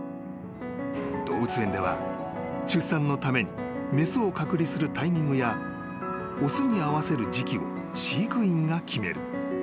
［動物園では出産のために雌を隔離するタイミングや雄に会わせる時期を飼育員が決める］